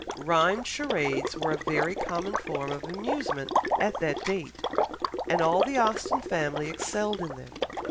Rhymed charades were a very common form of amusement at that date, and all the Austen family excelled in them.